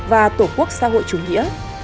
và tổ quốc xã hội chủ nghĩa